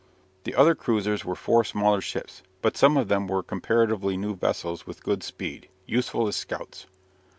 The other cruisers were four smaller ships, but some of them were comparatively new vessels with good speed useful as scouts.